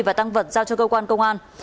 và tăng vật giao cho cơ quan công an